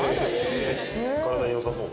体に良さそう？